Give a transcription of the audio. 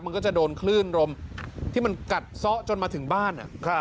มันก็จะโดนคลื่นลมที่มันกัดซ่อจนมาถึงบ้าน